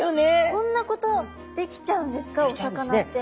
こんなことできちゃうんですかお魚って。